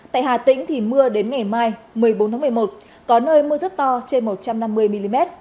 tại hà tĩnh thì mưa đến ngày mai một mươi bốn tháng một mươi một có nơi mưa rất to trên một trăm năm mươi mm